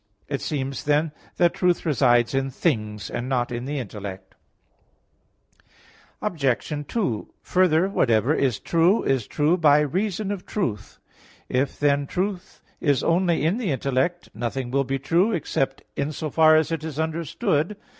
It seems, then, that truth resides in things, and not in the intellect. Obj. 2: Further, whatever is true, is true by reason of truth. If, then, truth is only in the intellect, nothing will be true except in so far as it is understood.